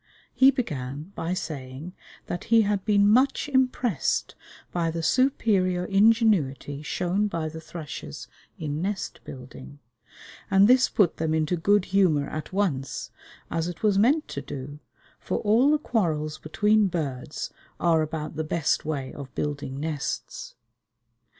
He began by saying that he had been much impressed by the superior ingenuity shown by the thrushes in nest building, and this put them into good humour at once, as it was meant to do; for all the quarrels between birds are about the best way of building nests.